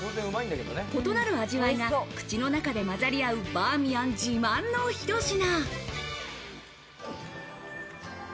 異なる味わいが口の中でまざり合うバーミヤン自慢のひと品。